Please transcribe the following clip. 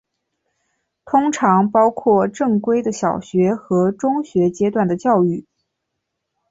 通常包括正规的小学和中学阶段的教育。